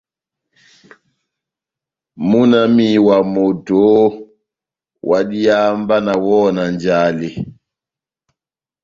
Múna wami na moto oooh, ohádiháha mba nawɔhɔ na njale !